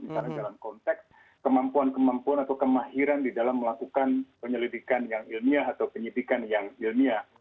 misalnya dalam konteks kemampuan kemampuan atau kemahiran di dalam melakukan penyelidikan yang ilmiah atau penyidikan yang ilmiah